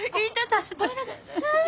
ごめんなさい！